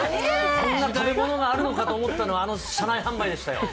そんな食べ物があるのかと思ったのは、あの車内販売でしたよ。